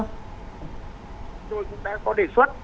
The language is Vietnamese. chúng tôi cũng đã có đề xuất